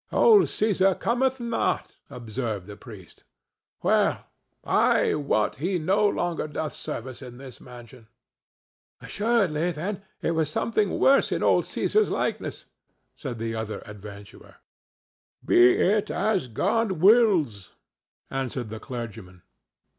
"Old Cæsar cometh not," observed the priest. "Well, I wot he no longer doth service in this mansion." "Assuredly, then, it was something worse in old Cæsar's likeness," said the other adventurer. "Be it as God wills," answered the clergyman.